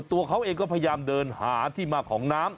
ตัวเขาเองก็พยายามเดินหาที่มาของน้ำ